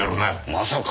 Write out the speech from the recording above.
まさか。